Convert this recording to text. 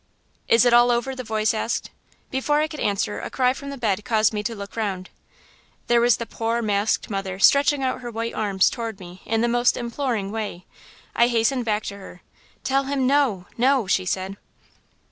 "'Is it all over?' the voice asked. "Before I could answer a cry from the bed caused me to look round. There was the poor, masked mother stretching out her white arms toward me in the most imploring way. I hastened back to her. "'Tell him–no–no,' she said.